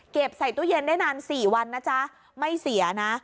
ใส่ตู้เย็นได้นาน๔วันนะจ๊ะไม่เสียนะ